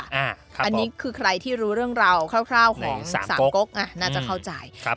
อ่าครับผมอันนี้คือใครที่รู้เรื่องเราคร่าวคร่าวของสามกกอ่ะน่าจะเข้าใจครับผม